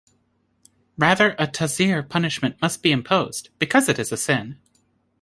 Rather a ta'zeer punishment must be imposed, because it is a sin..'.